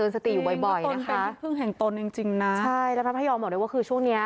ใช่แล้วพระพยอมบอกเลยว่าช่วงนี้